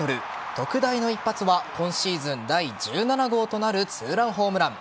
特大の一発は今シーズン第１７号となる２ランホームラン。